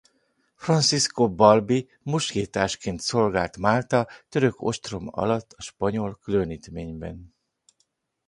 Francisco Balbi muskétásként szolgált Málta török ostroma alatt a spanyol különítményben.